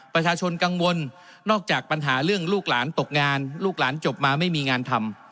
ประชาชนกังวลนอกจากปัญหาเรื่องลูกหลานตกงานลูกหลานจบมาไม่มีงานทำ